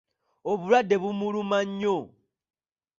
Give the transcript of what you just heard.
Obulwadde bumuluma nnyo.